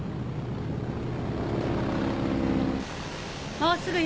もうすぐよ